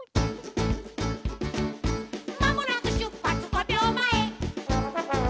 「まもなく出発５秒前」